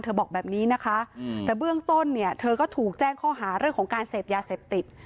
บอกแบบนี้นะคะแต่เบื้องต้นเนี่ยเธอก็ถูกแจ้งข้อหาเรื่องของการเสพยาเสพติด